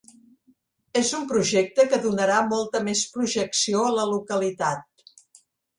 És un projecte que donarà molta més projecció a la localitat.